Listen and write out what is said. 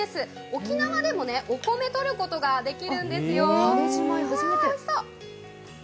沖縄でもお米、とることができるんですよ。